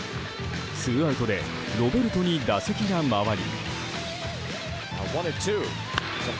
ツーアウトでロベルトに打席が回り。